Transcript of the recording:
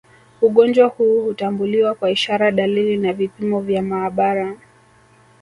Ugonjwa huu hutambuliwa kwa ishara dalili na vipimo vya maabara